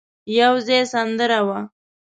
يو ځای سندره وه.